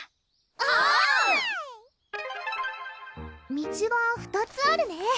道は２つあるね